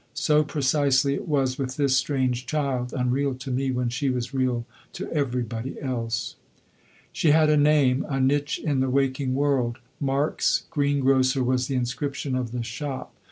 So precisely it was with this strange child, unreal to me when she was real to everybody else. She had a name, a niche in the waking world. Marks, Greengrocer, was the inscription of the shop.